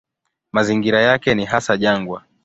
Mazingira yake ni hasa jangwa.